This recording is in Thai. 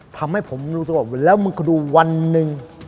ทำให้ผมรู้สึกว่าแล้วมึงก็ดูวันหนึ่ง